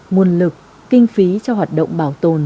mùn lực kinh phí cho hoạt động bảo tồn